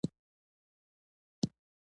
تور رنګ د لمر انرژي ډېره جذبه کوي.